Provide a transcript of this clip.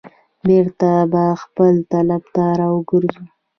بیرته به خپل طلب ته را وګرځم.